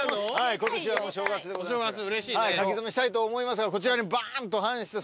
今年はお正月でございますから書き初めしたいと思いますがこちらにバーンと半紙と墨。